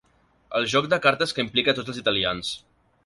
El joc de cartes que implica tots els italians.